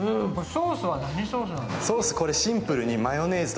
ソースは何ソースなんですかね？